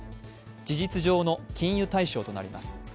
事実上の禁輸対象となります。